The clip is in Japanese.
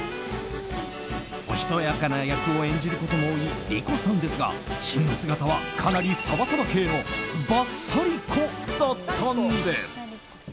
おしとやかな役を演じることも多い莉子さんですが真の姿は、かなりサバサバ系のバッサ莉子だったんです。